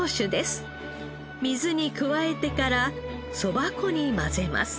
水に加えてからそば粉に混ぜます。